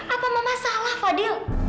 apa mama salah fadil